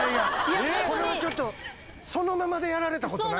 これはちょっとそのままでやられたことない？